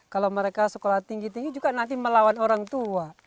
kalau mereka sekolah tinggi tinggi juga nanti melawan orang tua